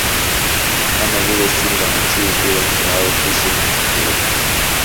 Kama vile Simba na Chui bila kusahau Fisi na Tumbili